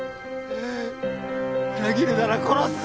裏切るなら殺すぞ！